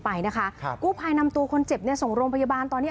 ไปนะคะครับกู้ภัยนำตัวคนเจ็บเนี่ยส่งโรงพยาบาลตอนนี้